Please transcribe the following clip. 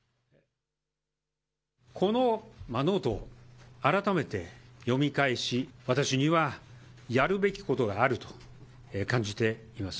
このノート、改めて読み返し、私にはやるべきことがあると感じています。